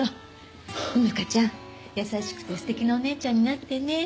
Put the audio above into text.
穂花ちゃん優しくて素敵なお姉ちゃんになってね。